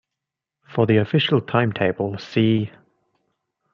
For the official timetable, see.